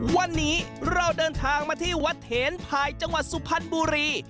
วันนี้เราเดินทางมาที่วัดเถนภายจังหวัดสุพรรณบุรี